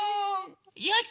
よし！